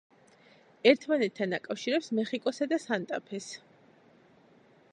ერთმანეთთან აკავშირებს მეხიკოსა და სანტა-ფეს.